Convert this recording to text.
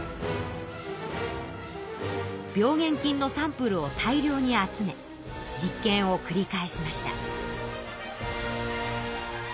病原菌のサンプルを大量に集め実験をくり返しました。